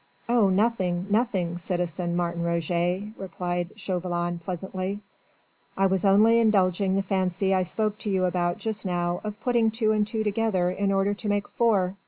"Oh, nothing, nothing, citizen Martin Roget," replied Chauvelin pleasantly, "I was only indulging the fancy I spoke to you about just now of putting two and two together in order to make four.